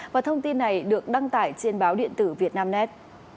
và thông tin này được đăng tải trên báo điện tử việt nam nét